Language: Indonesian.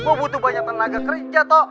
gua butuh banyak tenaga kerja tok